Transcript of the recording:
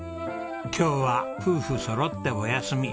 今日は夫婦そろってお休み。